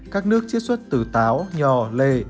các nước chứa xuất từ táo nhò lề